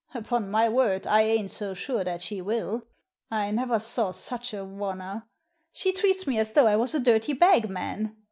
Upon my word, I ain't so sure that she will — I never saw such a oner. She treats me as though I was a dirty bagman.